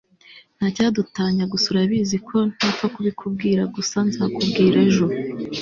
ntacyadutanya gusa urabizi ko ntapfa kubikubwira gusa nzakubwira ejo